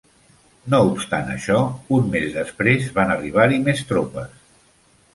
No obstant això, un més després, van arribar-hi més topes.